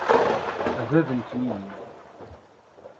A bab n twizi.